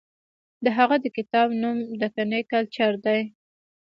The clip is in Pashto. د هغه د کتاب نوم دکني کلچر دی.